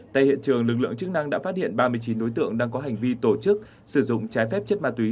tại hiện trường lực lượng chức năng đã phát hiện ba mươi chín đối tượng đang có hành vi tổ chức sử dụng trái phép chất ma túy